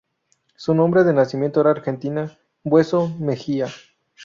Su nombre de nacimiento era Argentina Bueso Mejía.